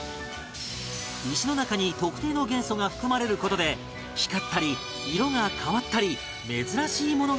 石の中に特定の元素が含まれる事で光ったり色が変わったり珍しいものがあるというが